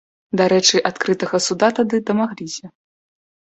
Дарэчы, адкрытага суда тады дамагліся.